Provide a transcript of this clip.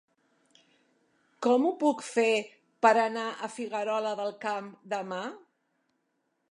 Com ho puc fer per anar a Figuerola del Camp demà?